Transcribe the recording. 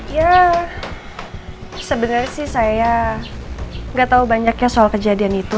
ya sebenarnya sih saya nggak tahu banyaknya soal kejadian itu